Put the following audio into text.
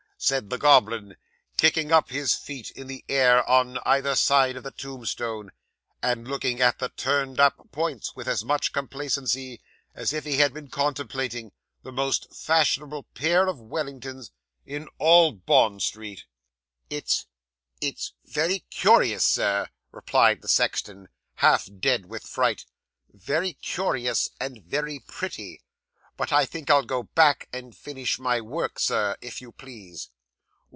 said the goblin, kicking up his feet in the air on either side of the tombstone, and looking at the turned up points with as much complacency as if he had been contemplating the most fashionable pair of Wellingtons in all Bond Street. '"It's it's very curious, Sir," replied the sexton, half dead with fright; "very curious, and very pretty, but I think I'll go back and finish my work, Sir, if you please."